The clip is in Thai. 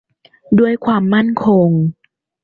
ด้วยความมั่นคง